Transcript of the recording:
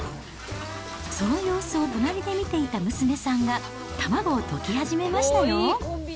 その様子を隣で見ていた娘さんが、卵を溶き始めましたよ。